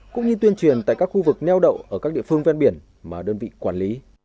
cũng như tuyên truyền tại các khu vực neo đậu ở các địa phương ven biển mà đơn vị quản lý